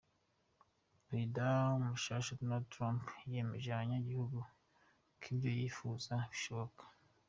Prezida mushasha Donald Trump yemeje abanyagihugu ko ivyo yipfuza bishoboka.